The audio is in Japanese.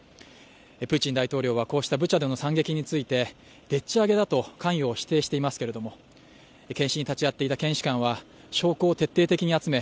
プーチン大統領はこうしたブチャでの惨劇について、でっちあげだと関与を否定していますけれども検死に立ち会っていた検視官は証拠を徹底的に集め